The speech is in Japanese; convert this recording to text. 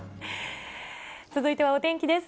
続いてはお天気です。